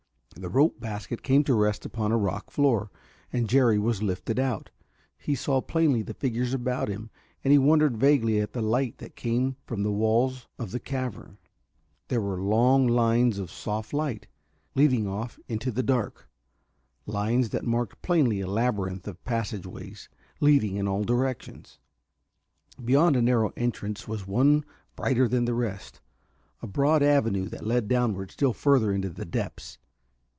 The rope basket came to rest upon a rock floor, and Jerry was lifted out. He saw plainly the figures about him, and he wondered vaguely at the light that came from the walls of the cavern. There were long lines of soft light, leading off into the dark, lines that marked plainly a labyrinth of passageways, leading in all directions. Beyond a narrow entrance was one brighter than the rest, a broad avenue that led downward still further into the depths.